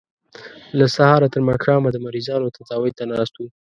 له سهاره تر ماښامه د مریضانو تداوۍ ته ناست وو.